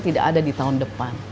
tidak ada di tahun depan